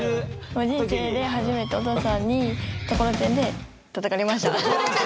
もう人生で初めてお父さんにところてんでたたかれました。